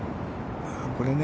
これね。